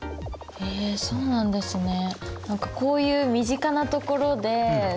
へえそうなんですね。